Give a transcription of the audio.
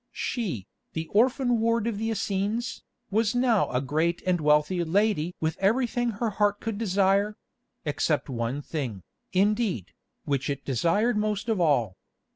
She, the orphan ward of the Essenes, was now a great and wealthy lady with everything her heart could desire—except one thing, indeed, which it desired most of all.